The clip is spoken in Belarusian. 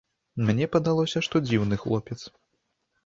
Мне падалося, што дзіўны хлопец.